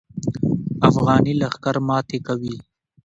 افغاني لښکر ماتې کوي.